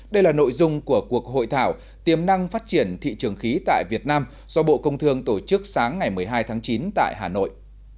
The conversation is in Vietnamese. đây là nội dung của cuộc hội thảo tiềm năng phát triển thị trường khí tại việt nam do bộ công thương tổ chức sáng ngày một mươi hai tháng chín tại hà nội